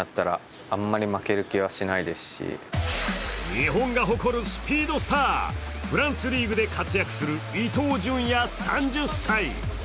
日本が誇るスピードスター、フランスリーグで活躍する伊東純也３０歳。